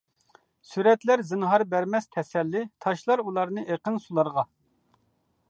سۈرەتلەر زىنھار بەرمەس تەسەللى، تاشلار ئۇلارنى ئېقىن سۇلارغا.